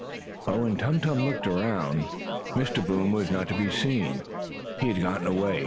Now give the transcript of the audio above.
But, when Tum Tum looked around, Mr. Boom was not to be seen. He had gotten away.